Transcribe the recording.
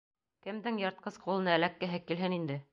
Кемдең йыртҡыс ҡулына эләккеһе килһен инде.